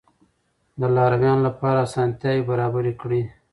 د لارويانو لپاره اسانتیاوې برابرې کړئ.